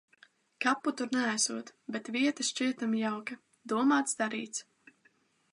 Kapu tur neesot, bet vieta šķietami jauka. Domāts – darīts.